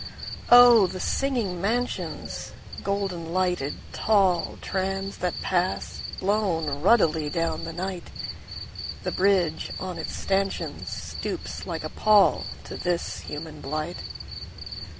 Oh, the singing mansions, Golden lighted tallTrams that pass, blown ruddily down the night! The bridge on its stanchionsStoops like a pallTo this human blight.